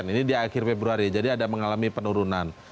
ini di akhir februari jadi ada mengalami penurunan